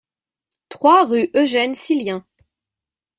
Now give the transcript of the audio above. trois rue Eugène Sillien